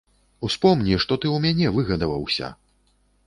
Успомні, што ты ў мяне выгадаваўся!